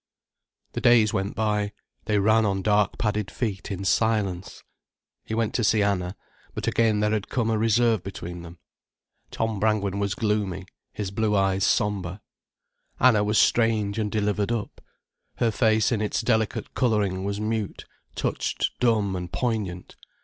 The days went by, they ran on dark padded feet in silence. He went to see Anna, but again there had come a reserve between them. Tom Brangwen was gloomy, his blue eyes sombre. Anna was strange and delivered up. Her face in its delicate colouring was mute, touched dumb and poignant.